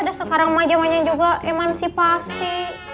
dan sekarang mah jamannya juga emansipasi